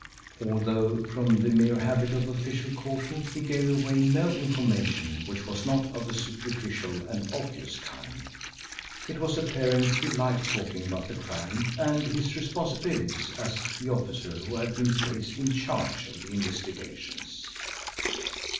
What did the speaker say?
Although from the mere habit of official caution he gave away no information which was not of a superficial and obvious kind, it was apparent he liked talking about the crime and his responsibilities as the officer who had been placed in charge of the investigations.